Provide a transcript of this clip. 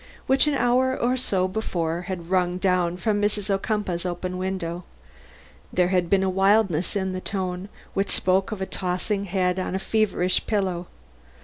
Philo!" which an hour or so before had rung down to me from Mrs. Ocumpaugh's open window. There had been a wildness in the tone, which spoke of a tossing head on a feverish pillow.